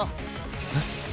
えっ？